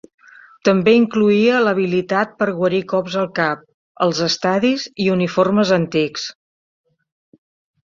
També incloïa l'habilitat per guarir cops al cap, els estadis i uniformes antics.